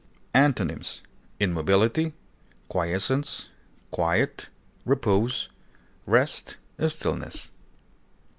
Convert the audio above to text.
Antonyms: immobility, quiescence, quiet, repose, rest, stillness.